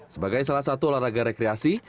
sebagai salah satu olahraga rekreasi